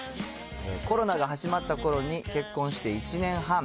コロナが始まったころに結婚して１年半。